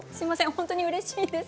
本当にうれしいです。